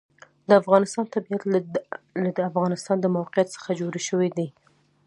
د افغانستان طبیعت له د افغانستان د موقعیت څخه جوړ شوی دی.